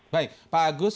baik pak agus